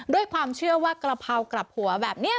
ด้วยความเชื่อว่ากระเพรากลับหัวแบบนี้